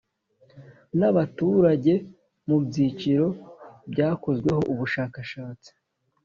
N abaturage mu byiciro byakozweho ubushakashatsi